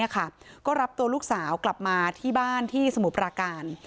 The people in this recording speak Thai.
ก็รับตัวลูกสาวกลับมาที่บ้านที่สมุทรปราการ